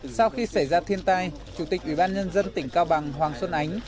sau khi xảy ra thiên tai chủ tịch ủy ban nhân dân tỉnh cao bằng hoàng xuân ánh